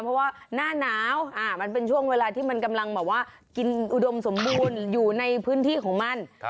เพราะว่าหน้าหนาวมันเป็นช่วงเวลาที่มันกำลังแบบว่ากินอุดมสมบูรณ์อยู่ในพื้นที่ของมัน